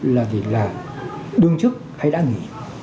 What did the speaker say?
là gì là đương chức hay đã nghỉ